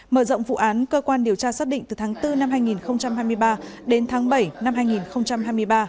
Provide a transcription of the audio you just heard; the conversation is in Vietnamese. mở rộng vụ án cơ quan điều tra xác định từ tháng bốn năm hai nghìn hai mươi ba đến tháng bảy năm hai nghìn hai mươi ba